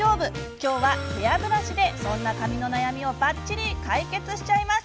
今日はヘアブラシでそんな髪の悩みをばっちり解決しちゃいます。